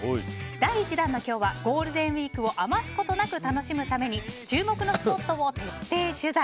第１弾の今日はゴールデンウィークを余すことなく楽しむために注目スポットを徹底取材。